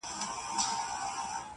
o زوى ئې غوښت، خېر ئې نه غوښت٫